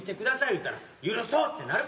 言うたら「許そう」ってなる。